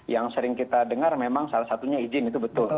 yang sering kita dengar memang salah satunya izin itu betul